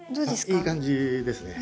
いい感じですね。